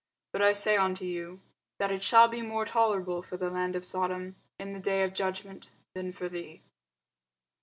But I say unto you, That it shall be more tolerable for the land of Sodom in the day of judgment, than for thee.